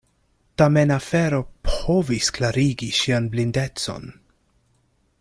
Tamen afero povis klarigi ŝian blindecon.